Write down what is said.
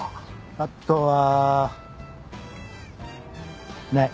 あとはない。